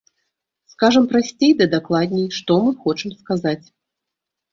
Скажам прасцей ды дакладней, што мы хочам сказаць.